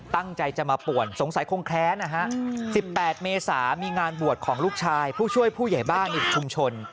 ตั้งใจจะมาป่วนสงสัยคงแค้นนะฮะ๑๘เมษามีงานบวชของลูกชายผู้ช่วยผู้ใหญ่บ้านอีกชุมชน